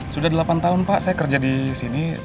sudah delapan tahun pak saya kerja di sini